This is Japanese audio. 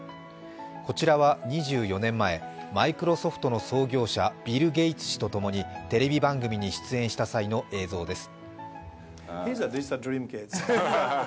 こちらは２４年前、マイクロソフトの創業者ビル・ゲイツ氏とともにテレビ番組に出演した際の映像です。